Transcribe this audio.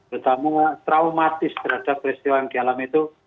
terutama traumatis terhadap peristiwa yang dialami itu